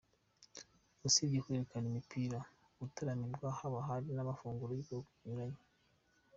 Usibye kwerekana imipira gutaramirwa haba hari n'amafunguro yubwoko bunyuranye.